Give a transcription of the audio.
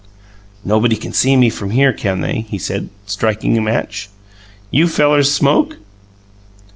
"Nobody can see me from here, can they?" he said, striking a match. "You fellers smoke?"